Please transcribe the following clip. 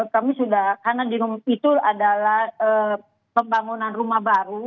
karena itu adalah pembangunan rumah baru